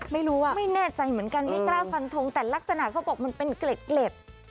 ไม่รู้อ่ะไม่แน่ใจเหมือนกันไม่กล้าฟันทงแต่ลักษณะเขาบอกมันเป็นเกล็ด